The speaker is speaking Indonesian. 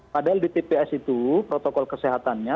padahal di tps itu protokol kesehatannya